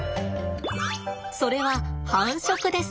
それは繁殖です。